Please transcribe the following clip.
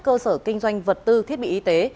cơ sở kinh doanh vật tư thiết bị y tế